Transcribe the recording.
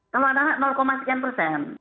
kalau anak anak sekian persen